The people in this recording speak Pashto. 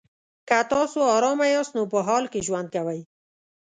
که تاسو ارامه یاست نو په حال کې ژوند کوئ.